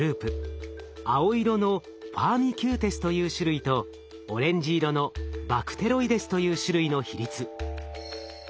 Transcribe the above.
青色のファーミキューテスという種類とオレンジ色のバクテロイデスという種類の比率。